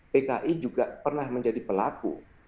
pki juga pernah menjadi pelaku